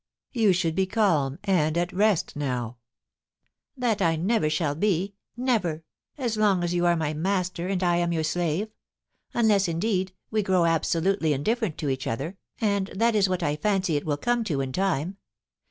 You should be calm and at rest now.' * That I never shall be — never — as long as you are my master, and I am your slave — unless, indeed, we grow absolutely indifferent to each other, and that is what I fancy THE TRYST BY THE BAMBOOS. 267 it will come to in time.